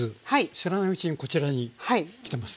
知らないうちにこちらに来てます。